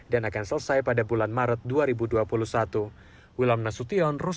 dan akan selesai pada bulan maret dua ribu dua puluh satu